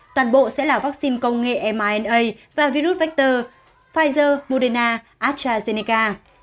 toàn bộ sẽ là vaccine công nghệ mrna và virus vector pfizer biontech astrazeneca